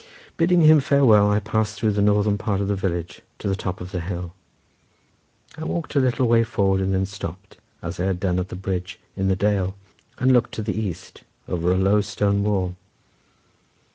Bidding him farewell I passed through the northern part of the village to the top of the hill. I walked a little way forward and then stopped, as I had done at the bridge in the dale, and looked to the east, over a low stone wall.